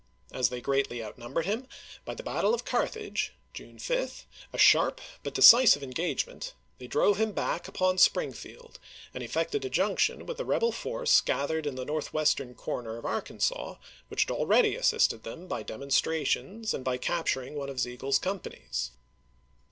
As they gi'eatly out 1861. numbered him, by the battle of Carthage, July 5, — a sharp but decisive engagement, — they drove him FEEMONT 399 back upon Springfield, and effected a junction with ch. xxm. the rebel force gathered in the northwestern cor ner of Arkansas, which had already assisted them by demonstrations and by capturing one of Sigel's companies.